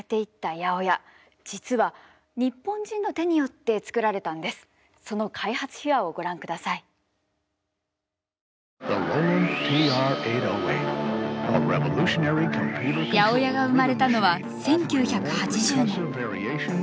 ８０８が生まれたのは１９８０年。